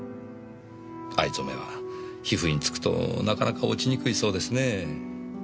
藍染めは皮膚に付くとなかなか落ちにくいそうですねぇ。